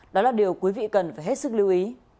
đó là điều quý vị cần phải hết sức lưu ý